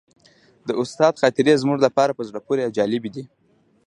د استاد خاطرې زموږ لپاره په زړه پورې او جالبې دي.